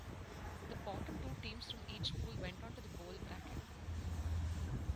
The bottom two teams from each pool went on to the Bowl bracket.